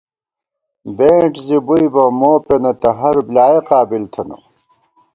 بېنٹ زِی بُوئی بہ مو پېنہ تہ ہر بۡلیایَہ قابل تھنہ